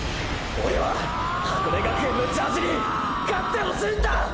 オレは箱根学園のジャージに勝ってほしいんだ！！